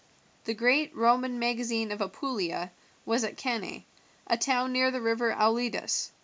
The great Roman magazine of Apulia was at Cannae, a town near the river Aulidus.